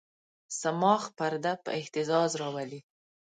صماخ پرده په اهتزاز راولي.